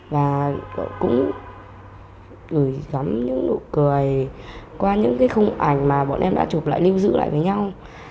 và cũng gửi gắm những nụ cười qua những cái khung ảnh mà bọn em đã chụp lại lưu giữ lại với nhau